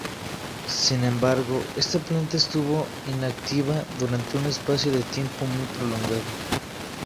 Sin embargo, esta planta estuvo inactiva durante un espacio de tiempo muy prolongado.